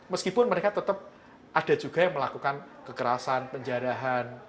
meskipun mereka tetap ada juga yang melakukan kekerasan penjarahan